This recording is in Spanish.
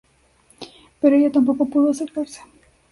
Pero ella tampoco pudo acercarse.